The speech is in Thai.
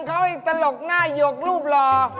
เขาให้ตลกหน้าหยกรูปหล่อ